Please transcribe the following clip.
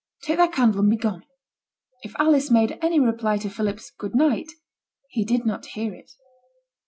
Take thy candle, and begone.' If Alice made any reply to Philip's 'good night,' he did not hear it.